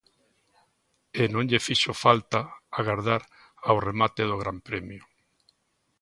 E non lle fixo falta agardar ao remate do Gran Premio.